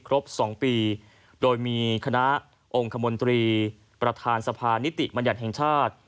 ครบ๒ปีโดยมีคณะองค์คมนตรีประธานสภานิติบัญญัติแห่งชาติ